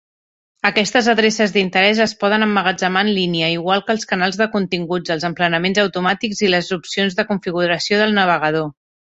Aquestes adreces d'interès es poden emmagatzemar en línia, igual que els canals de continguts, els emplenaments automàtics i les opcions de configuració del navegador.